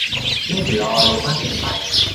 ไม่ถือเอาอารมณ์มากเกินไป